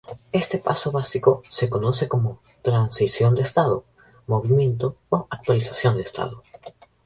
Este paso básico se conoce como "transición de estado", "movimiento" o "actualización del estado".